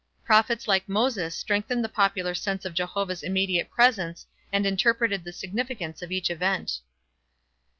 Prophets like Moses strengthened the popular sense of Jehovah's immediate presence and interpreted the significance of each event.